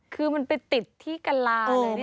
คือมันไปติดที่กะลาเลยเนี่ย